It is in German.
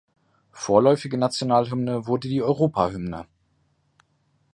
Vorläufige Nationalhymne wurde die Europahymne.